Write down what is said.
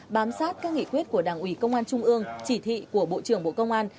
bám sát các nghị quyết của đảng ủy công an trung ương chỉ thị của bộ trưởng bộ công an